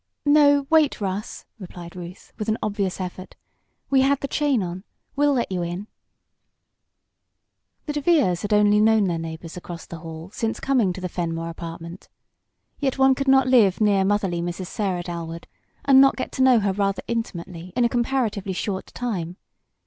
"No, wait Russ!" replied Ruth, with an obvious effort. "We had the chain on. We'll let you in!" The DeVeres had only known their neighbors across the hall since coming to the Fenmore Apartment. Yet one could not live near motherly Mrs. Sarah Dalwood and not get to know her rather intimately, in a comparatively short time.